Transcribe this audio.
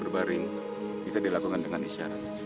bisa dilakukan dengan isyarat